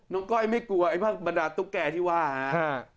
ก้อยไม่กลัวไอ้ภาคบรรดาตุ๊กแก่ที่ว่าฮะ